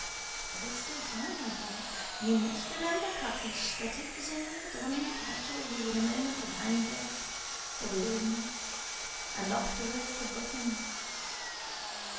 "There is still time, my dear. You must remember, Catiche, that it was all done casually in a moment of anger, of illness, and was afterwards forgotten.